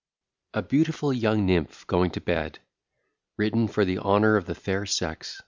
"] A BEAUTIFUL YOUNG NYMPH GOING TO BED. WRITTEN FOR THE HONOUR OF THE FAIR SEX.